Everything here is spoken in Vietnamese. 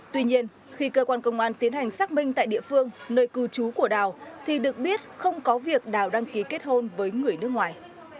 tuy nhiên khi cơ quan công an tiến hành xác minh tại địa phương nơi cư trú của đào thì được biết không có việc đào đăng ký kết hôn với người nước ngoài